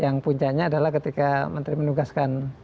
yang puncaknya adalah ketika menteri menugaskan